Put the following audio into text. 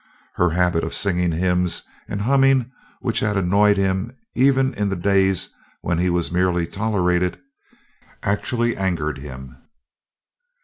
Her habit of singing hymns and humming which had annoyed him even in the days when he was merely tolerated, actually angered him.